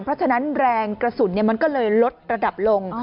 เพราะฉะนั้นแรงกระสุนมันก็เลยลดระดับลง